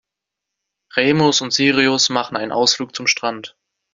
Remus und Sirius machen einen Ausflug zum Strand.